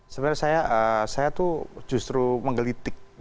sebenarnya saya tuh justru menggelitik